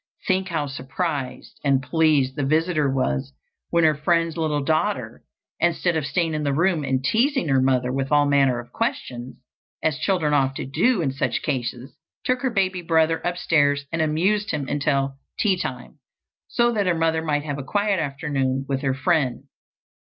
Think how surprised and pleased the visitor was when her friend's little daughter, instead of staying in the room and teasing her mother with all manner of questions, as children often do in such cases, took her baby brother upstairs and amused him until tea time, so that her mother might have a quiet afternoon with her friend.